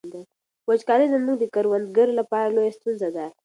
وچکالي زموږ د کروندګرو لپاره لویه ستونزه ده.